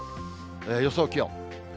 予想気温。